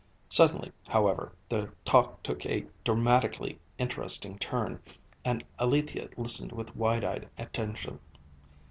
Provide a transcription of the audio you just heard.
Suddenly, however, their talk took a dramatically interesting turn, and Alethia listened with wide eyed attention.